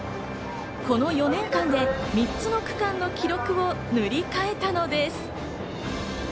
この４年間で３つの区間の記録を塗り替えたのです。